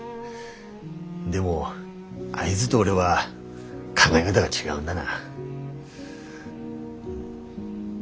でもあいづど俺は考え方が違うんだな。